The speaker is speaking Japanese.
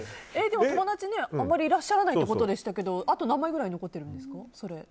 友達があまりいらっしゃらないということでしたけどあと何枚ぐらい残ってるんですか。